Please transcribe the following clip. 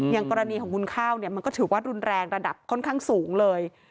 อย่างกรณีของคุณข้าวเนี่ยมันก็ถือว่ารุนแรงระดับค่อนข้างสูงเลย